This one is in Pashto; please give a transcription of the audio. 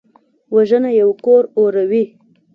وژنه یو کور اوروي